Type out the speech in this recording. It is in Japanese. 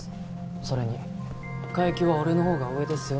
それに階級は俺のほうが上ですよ